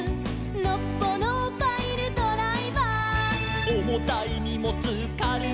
「のっぽのパイルドライバー」「おもたいにもつかるがるあげる」